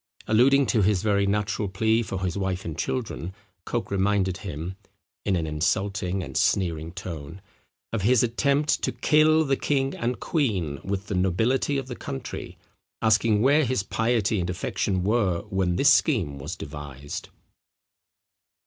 Alluding to his very natural plea for his wife and children, Coke reminded him, in an insulting and sneering tone, of his attempt to kill the king and queen with the nobility of the country, asking where his piety and affection were when this scheme was devised?